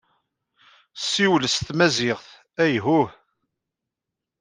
Ssiwel s tmaziɣt, ayhuh.